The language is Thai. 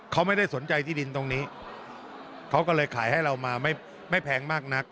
เขาไม่ได้สนใจที่ดินตรงนี้เขาก็เลยขายให้เรามาไม่แพงมากนัก